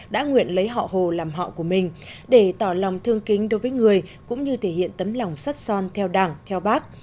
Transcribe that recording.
đã nguyện lấy họ hồ làm họ của mình để tỏ lòng thương kính đối với người cũng như thể hiện tấm lòng sắt son theo đảng theo bác